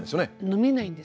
飲めないんです。